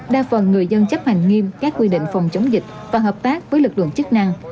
đa phần người dân chấp hành nghiêm các quy định phòng chống dịch và hợp tác với lực lượng chức năng